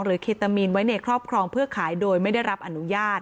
เคตามีนไว้ในครอบครองเพื่อขายโดยไม่ได้รับอนุญาต